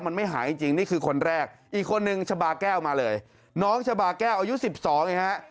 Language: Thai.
มันไม่หายจริงนี่คือคนแรกอีกคนนึงฉบาแก้วมาเลยน้องฉบาแก้วอายุ๑๒นี่ครับ